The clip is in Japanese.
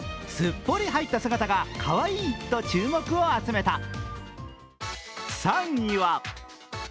すっぽり入った魚がかわいいと注目を集めた。